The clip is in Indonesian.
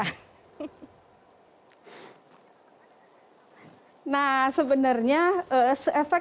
nah sebenarnya efektif efektifnya pembelajaran secara daring secara tepat